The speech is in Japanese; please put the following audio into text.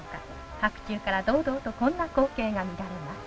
白昼から堂々とこんな光景が見られます。